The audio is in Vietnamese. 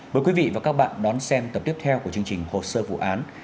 mời quý vị và các bạn đón xem tập tiếp theo của chương trình hồ sơ vụ án